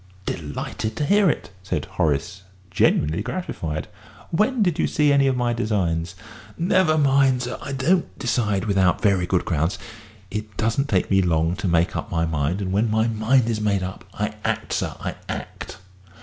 "Delighted to hear it," said Horace, genuinely gratified. "When did you see any of my designs?" "Never mind, sir. I don't decide without very good grounds. It doesn't take me long to make up my mind, and when my mind is made up, I act, sir, I act.